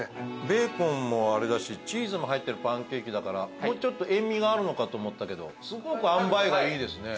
ベーコンもあれだしチーズも入ってるパンケーキだからもうちょっと塩味があるのかと思ったけどすごくあんばいがいいですね。